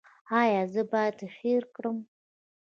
ایا زه باید هیر کړم؟